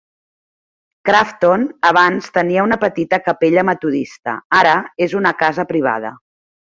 Crafton abans tenia una petita capella metodista. Ara és una casa privada.